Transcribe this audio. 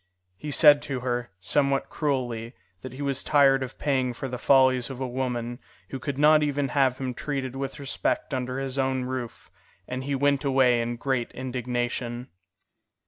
He said to her, somewhat cruelly, that he was tired of paying for the follies of a woman who could not even have him treated with respect under his own roof, and he went away in great indignation.